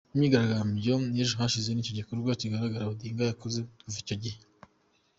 Imyigaragambyo y’ejo hashize nicyo gikorwa kigaragara Odinga yakoze kuva icyo gihe.